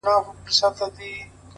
كه څه هم په دار وځړوو-